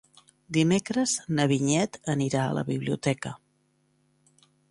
Dimecres na Vinyet anirà a la biblioteca.